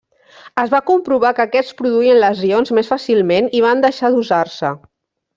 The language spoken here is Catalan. Es va comprovar que aquests produïen lesions més fàcilment i van deixar d'usar-se.